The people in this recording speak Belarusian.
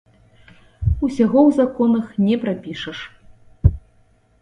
Усяго ў законах не прапішаш.